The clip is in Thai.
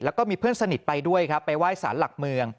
แล้วก็มีเพื่อนสนิทไปด้วยครับไปไหว้สารหลักเมือง